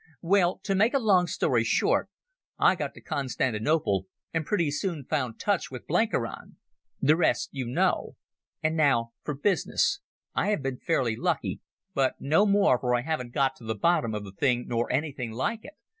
"Well, to make a long story short, I got to Constantinople, and pretty soon found touch with Blenkiron. The rest you know. And now for business. I have been fairly lucky—but no more, for I haven't got to the bottom of the thing nor anything like it.